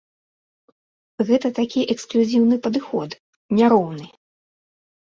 Гэта такі эксклюзіўны падыход, няроўны!